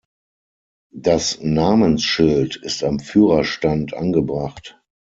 Das Namensschild ist am Führerstand angebracht.